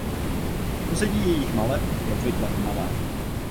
Pozadí jejích maleb je obvykle tmavé.